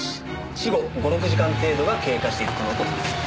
死後５６時間程度が経過しているとの事です。